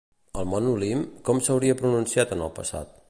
El mont Olimp, com s'hauria pronunciat en el passat?